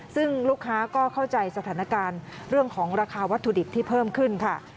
ซึ่งลูกค้าก็เข้าใจสถานการณ์เรื่องของราคาวัตถุดิบที่เพิ่มขึ้นค่ะ